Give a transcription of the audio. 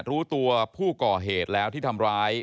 รู้ตัวผู้ก่อเหตุแล้วที่ทำร้าย